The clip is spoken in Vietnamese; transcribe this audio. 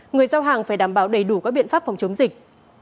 người giao hàng phải đảm bảo đầy đủ các biện pháp phòng chống dịch